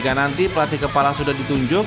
jika nanti pelatih kepala sudah ditunjuk